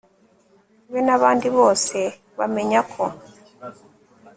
be n'abandi bose bamenya ko